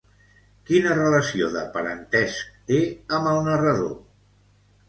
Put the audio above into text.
Quina relació de parentesc té amb el narrador?